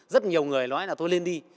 rất nhiều người nói là tôi lên đi